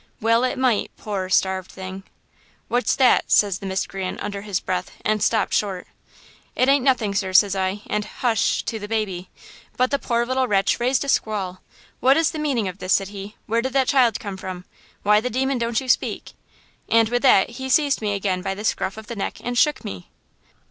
Well it might, poor, starved thing! "'What's that?' says the miscreant under his breath and stopped short. "'It ain't nothing, sir,' says I, and 'Hush h h' to the baby. But the poor little wretch raised a squall. "'What is the meaning of this?' said he. 'Where did that child come from? Why the demon don't you speak?' And with that he seized me again by the scruff of the neck and shook me.